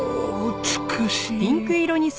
美しい。